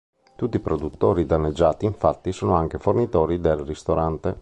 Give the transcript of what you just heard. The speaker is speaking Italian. Tutti i produttori danneggiati infatti, sono anche fornitori del ristorante.